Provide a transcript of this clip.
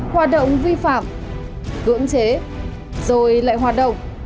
hoạt động vi phạm cưỡng chế rồi lại hoạt động